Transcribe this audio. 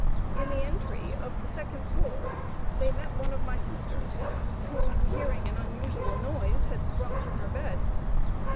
In the entry of the second floor they met one of my sisters, who, hearing an unusual noise, had sprung from her bed.